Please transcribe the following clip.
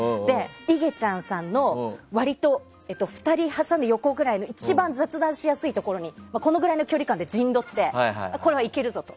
いげちゃんさんの２人挟み横くらいの一番雑談しやすいところにこのくらいの距離感で陣取って、これはいけるぞと。